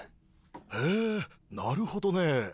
へぇなるほどね。